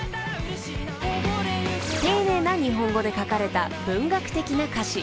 ［丁寧な日本語で書かれた文学的な歌詞］